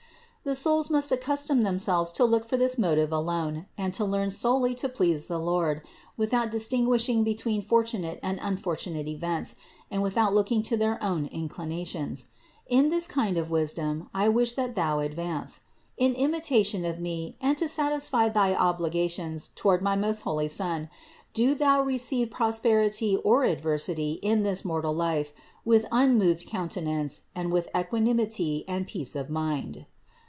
The souls must accustom themselves to look for this motive alone and to learn solely to please the Lord, without distinguishing between fortunate or unfortunate events and without look ing to their own inclinations. In this kind of wisdom I wish that thou advance. In imitation of me and to satisfy thy obligations toward my most holy Son, do thou re ceive prosperity or adversity in this mortal life with unmoved countenance and with equanimity and peace of mind.